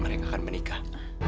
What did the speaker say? mereka akan menikah